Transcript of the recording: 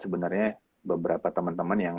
sebenernya beberapa temen temen yang